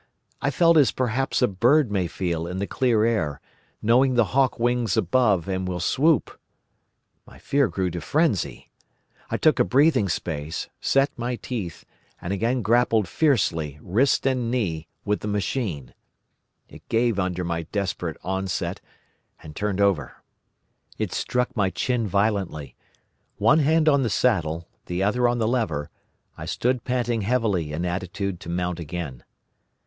I felt as perhaps a bird may feel in the clear air, knowing the hawk wings above and will swoop. My fear grew to frenzy. I took a breathing space, set my teeth, and again grappled fiercely, wrist and knee, with the machine. It gave under my desperate onset and turned over. It struck my chin violently. One hand on the saddle, the other on the lever, I stood panting heavily in attitude to mount again.